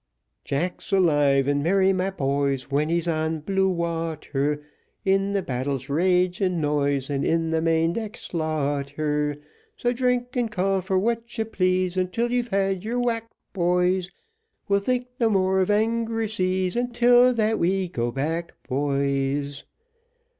Jack's alive and merry, my boys, When he's on blue water, In the battle's rage and noise, And the main deck slaughter. So drink and call for what you please, Until you've had your whack, boys; We'll think no more or angry seas, Until that we go back, boys.